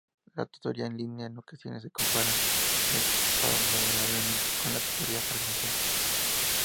La tutoría en línea en ocasiones se compara desfavorablemente con la tutoría presencial.